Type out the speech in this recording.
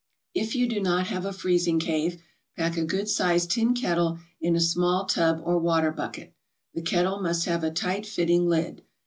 If you do not have a freezing cave, pack a good sized tin kettle in a small tub or water bucket. The kettle must have a tight fitting lid.